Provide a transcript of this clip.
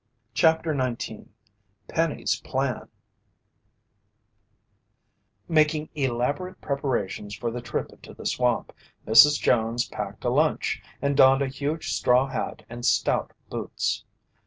CHAPTER 19 PENNY'S PLAN Making elaborate preparations for the trip into the swamp, Mrs. Jones packed a lunch, and donned a huge straw hat and stout boots.